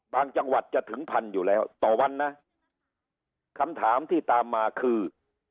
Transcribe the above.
จังหวัดจะถึงพันอยู่แล้วต่อวันนะคำถามที่ตามมาคือ